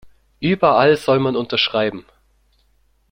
Überall soll man unterschreiben.